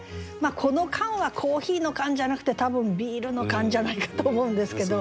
この「缶」はコーヒーの缶じゃなくて多分ビールの缶じゃないかと思うんですけど。